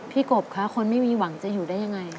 กบคะคนไม่มีหวังจะอยู่ได้ยังไง